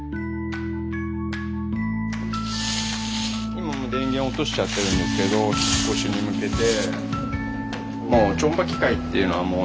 今もう電源落としちゃってるんですけど引っ越しに向けて。